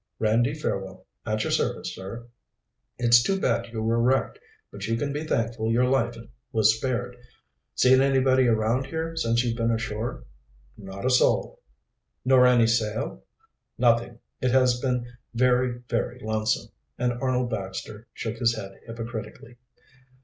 "Randy Fairwell, at your service, sir. It's too bad you were wrecked, but you can be thankful your life was spared. Seen anybody around here since you've been ashore?" "Not a soul." "Nor any sail?" "Nothing. It has been very, very lonesome," and Arnold Baxter shook his head hypocritically.